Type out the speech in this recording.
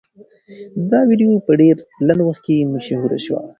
دا ویډیو په ډېر لنډ وخت کې مشهوره شوه.